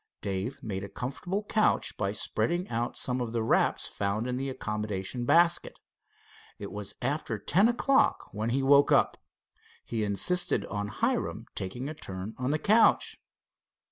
Dave made a comfortable couch by spreading out some of the wraps found in the accommodation basket. It was after ten o'clock when he woke up. He insisted on Hiram taking a turn on the couch.